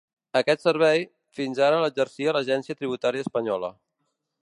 Aquest servei, fins ara l’exercia l’agència tributària espanyola.